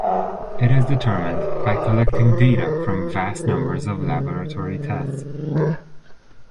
It is determined by collecting data from vast numbers of laboratory tests.